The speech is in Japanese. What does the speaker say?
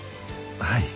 はい。